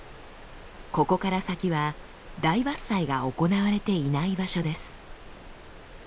ここから先は大伐採が行われていない場所です。